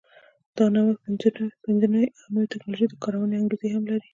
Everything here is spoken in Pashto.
دا د نوښت، پنځونې او نوې ټکنالوژۍ د کارونې انګېزې هم لري.